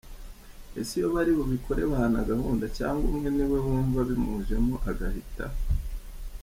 Ese iyo bari bubikore bahana gahunda cyangwa umwe niwe wumva bimujemo agahita?.